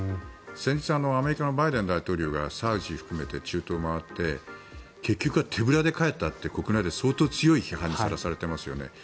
先日アメリカのバイデン大統領がサウジを含めて中東を回って結局は手ぶらで帰ったって国内で相当強い批判にさらされていますよね。